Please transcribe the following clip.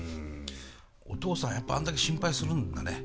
お父さんやっぱあんだけ心配するんだね。